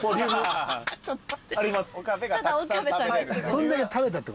そんだけ食べたってこと？